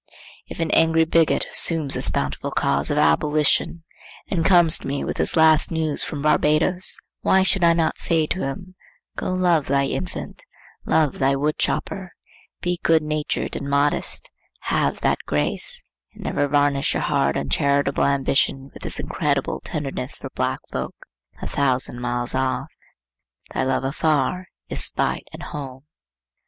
If an angry bigot assumes this bountiful cause of Abolition, and comes to me with his last news from Barbadoes, why should I not say to him, 'Go love thy infant; love thy wood chopper; be good natured and modest; have that grace; and never varnish your hard, uncharitable ambition with this incredible tenderness for black folk a thousand miles off. Thy love afar is spite at home.